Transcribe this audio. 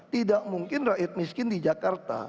tidak mungkin rakyat miskin di jakarta